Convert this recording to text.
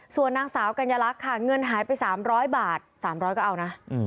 ส่วนนางสาวกัญลักษณ์ค่ะเงินหายไป๓๐๐บาท๓๐๐ก็เอานะ